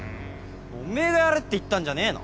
オメエがやれって言ったんじゃねえの？